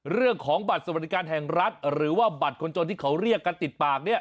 เรื่องของบัตรสวัสดิการแห่งรัฐหรือว่าบัตรคนจนที่เขาเรียกกันติดปาก